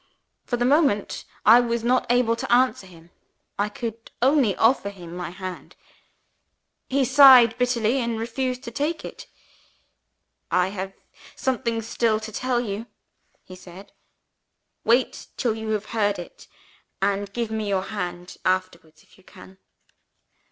For the moment, I was not able to answer him. I could only offer him my hand. He sighed bitterly, and refused to take it. "'I have something still to tell you,' he said. 'Wait till you have heard it; and give me your hand afterwards if you can.'